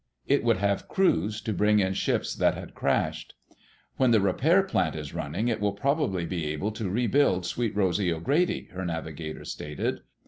It would have crews to bring in ships that had crashed. "When the repair plant is running, it will probably be able to rebuild Sweet Rosy O'Grady," her navigator stated.